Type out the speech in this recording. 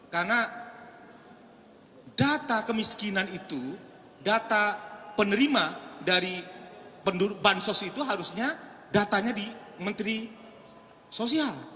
karena data kemiskinan itu data penerima dari band sosial itu harusnya datanya di menteri sosial